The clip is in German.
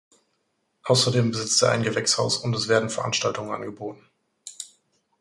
Außerdem besitzt er ein Gewächshaus und es werden Veranstaltungen angeboten.